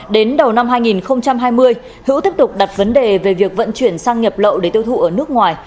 đến đầu năm hai nghìn hai mươi hữu tiếp tục đặt vấn đề về việc vận chuyển sang nhập lậu để tiêu thụ ở nước ngoài